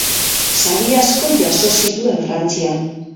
Sari asko jaso zituen Frantzian.